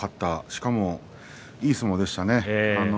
しかも、いい相撲でしたね。